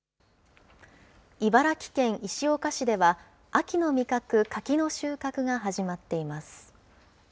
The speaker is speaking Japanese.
茨城県石岡市では、秋の味覚、柿の収穫が始まっています。